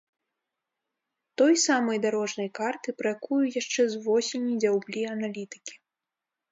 Той самай дарожнай карты, пра якую яшчэ з восені дзяўблі аналітыкі.